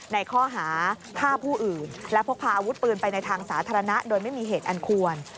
ในข้อหาฆ่าผู้อื่นและพกพาอาวุธปืนไปในทางสาธารณะโดยไม่มีเหตุอันควร